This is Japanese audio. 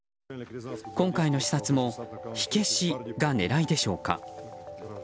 今回の視察も火消しが狙いでしょうか。